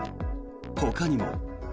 ほかにも。